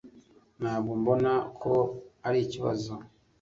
ntabwo mbona ko arikibazo